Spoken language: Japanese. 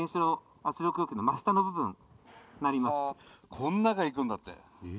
この中、行くんだって。